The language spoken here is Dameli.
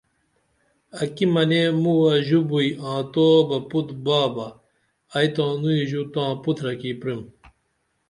اکی منے موہ ژو بوئی آں توہ بہ پُت با بہ ائی تانوئی ژو تاں پُترہ کی پریم